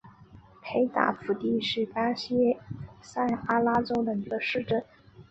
佩纳福蒂是巴西塞阿拉州的一个市镇。